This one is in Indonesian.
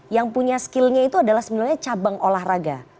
yang punya skillnya itu adalah sebenarnya cabang olahraga